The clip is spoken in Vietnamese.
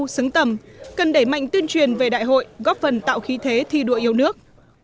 xứng tầm cần đẩy mạnh tuyên truyền về đại hội góp phần tạo khí thế thi đua yêu nước